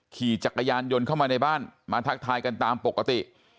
ขี่จักรยานยนต์เข้ามาในบ้านมาทักทายกันตามปกติ